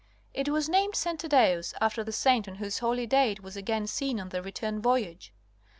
[It was named St. Thaddeus, after the saint on whose holy day it was again seen on the return voyage.